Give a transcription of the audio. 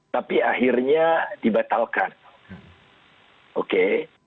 tapi akhirnya dibatalkan oke